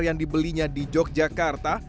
yang dibelinya di yogyakarta